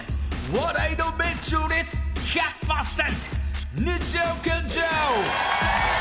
笑いの命中率１００％］